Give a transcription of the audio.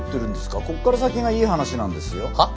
こっから先がいい話なんですよ。はっ？